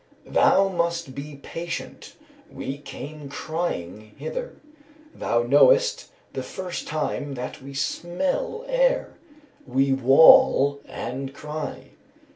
"Thou must be patient; we came crying hither; Thou knowest the first time that we smell air, We waul and cry."